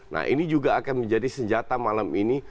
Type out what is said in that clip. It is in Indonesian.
nah ini juga akan menjadi senjata malam ini